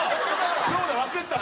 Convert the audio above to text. そうだ忘れてた。